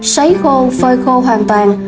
sấy khô phơi khô hoàn toàn